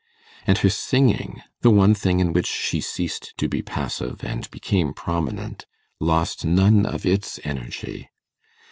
And her singing the one thing in which she ceased to be passive, and became prominent lost none of its energy.